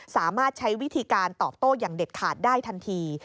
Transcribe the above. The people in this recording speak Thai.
สามารถใช้วิธีการตอบโต้อย่างเด็ดขาดได้ทันที